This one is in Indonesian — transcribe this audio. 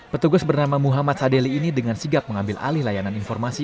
petugas bernama muhammad sadeli ini dengan sigap mengambil alih layanan informasi